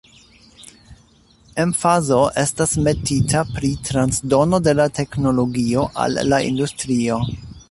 Emfazo estas metita pri transdono de la teknologio al la industrio.